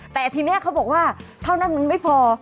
แต่ทีนี้เขาบอกว่าเท่านั้นมันไม่พอ